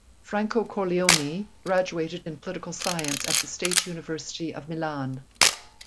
Franco Corleone graduated in Political Science at the State University of Milan.